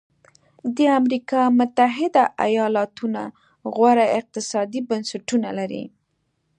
د امریکا متحده ایالتونو غوره اقتصادي بنسټونه لري.